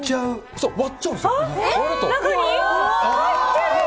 そう、割っちゃうんですよ。